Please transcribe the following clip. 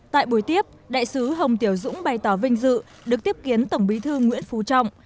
tại buổi tiếp đại sứ hồng tiểu dũng bày tỏ vinh dự được tiếp kiến tổng bí thư nguyễn phú trọng